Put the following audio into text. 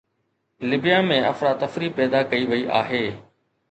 ليبيا ۾ افراتفري پيدا ڪئي وئي آهي.